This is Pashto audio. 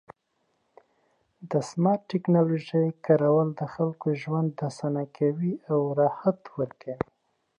د سمارټ ټکنالوژۍ کارول د خلکو ژوند اسانه کوي او راحت ورکوي.